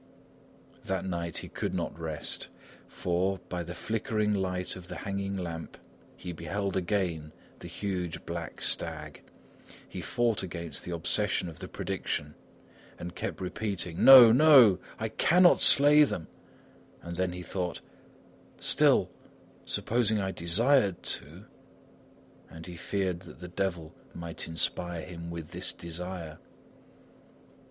That night he could not rest, for, by the flickering light of the hanging lamp, he beheld again the huge black stag. He fought against the obsession of the prediction and kept repeating: "No! No! No! I cannot slay them!" and then he thought: "Still, supposing I desired to? " and he feared that the devil might inspire him with this desire.